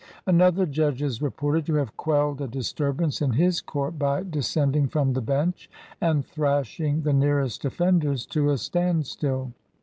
Another judge is reported to have quelled a disturbance in his court by descending from the bench and thrashing the nearest offenders to a standstill.